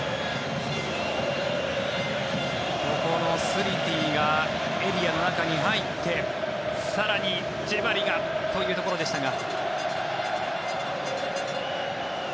スリティがエリアの中に入って更にジェバリがというところでしたが。